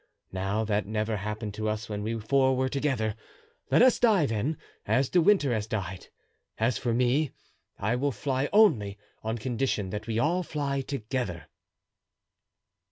Now that never happened to us when we were four together. Let us die, then, as De Winter has died; as for me, I will fly only on condition that we all fly together."